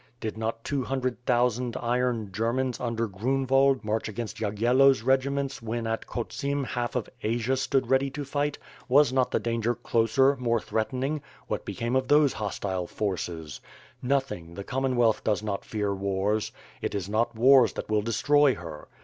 Did not two hundred thousand iron Germans under Grun wald march against Yagyelo's regiments when at EJiotsim half of Asia stood ready to fight, was not the danger closer, more threatening — what became of these hostile forces? Nothing, the Commonwealth does not fear wars. It is not wars that will destroy her.